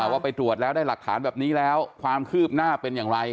ว่าไปตรวจแล้วได้หลักฐานแบบนี้แล้วความคืบหน้าเป็นอย่างไร